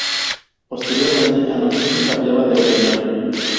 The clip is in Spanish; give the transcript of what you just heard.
Posteriormente anunció que cambiaba de opinión.